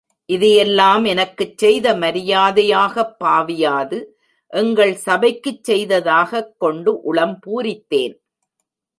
இதையெல்லாம் எனக்குச் செய்த மரியாதையாகப் பாவியாது எங்கள் சபைக்குச் செய்ததாகக் கொண்டு உளம் பூரித்தேன்.